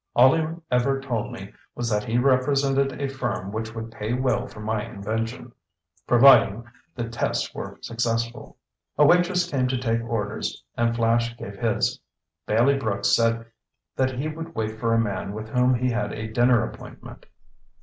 All he ever told me was that he represented a firm which would pay well for my invention, providing the tests were successful." A waitress came to take orders and Flash gave his. Bailey Brooks said that he would wait for a man with whom he had a dinner appointment.